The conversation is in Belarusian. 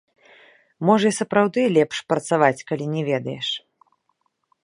Можа, і сапраўды лепш працаваць, калі не ведаеш.